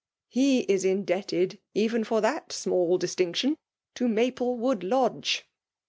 He is indebted even for that small distinction to Mxplewood Lodge.